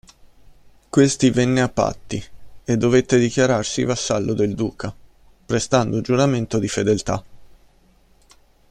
Questi venne a patti, e dovette dichiararsi vassallo del duca, prestando giuramento di fedeltà.